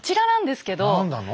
何なの？